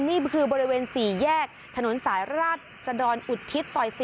นี่คือบริเวณ๔แยกถนนสายราชสะดอนอุทิศซอย๔